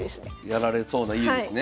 やられそうな家ですね。